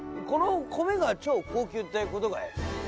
この米が超高級って事かい？